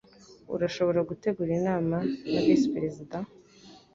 Urashobora gutegura inama na visi perezida?